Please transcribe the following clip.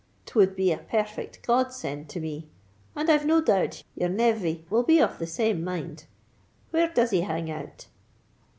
'T would be a perfect God send to me; and I've no doubt your nev vy will be of the same mind. Where does he hang out?"